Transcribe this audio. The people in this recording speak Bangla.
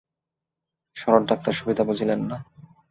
শরৎ ডাক্তার সুবিধা বুঝিলেন না।